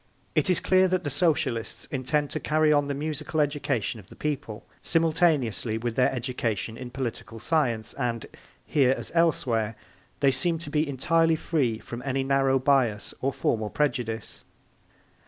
It is clear that the Socialists intend to carry on the musical education of the people simultaneously with their education in political science and, here as elsewhere, they seem to be entirely free from any narrow bias or formal prejudice.